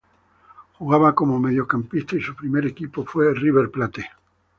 Jugaba como mediocampista y su primer equipo fue River Plate.